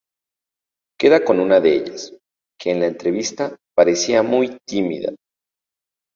Queda con una de ellas, que en la entrevista parecía muy tímida.